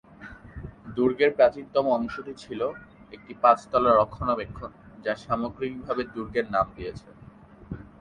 দুর্গের প্রাচীনতম অংশটি ছিল একটি পাঁচ তলা রক্ষণাবেক্ষণ যা সামগ্রিকভাবে দুর্গের নাম দিয়েছে।